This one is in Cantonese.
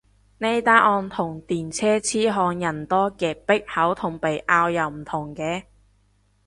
呢單案同電車痴漢人多擠迫口同鼻拗又唔同嘅